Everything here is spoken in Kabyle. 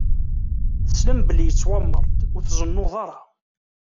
Teslam belli yettwameṛ-d: Ur tzennuḍ ara!